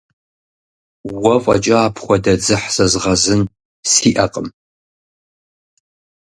Уэ фӀэкӀа апхуэдэ дзыхь зэзгъэзын сиӀэкъым.